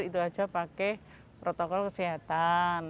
itu aja pakai protokol kesehatan